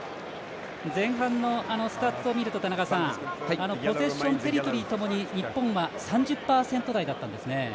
前半のスタッツを見るとポゼッション、テリトリーともに日本は３０％台だったんですね